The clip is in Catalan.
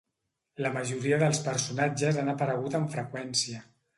La majoria dels personatges han aparegut amb freqüència.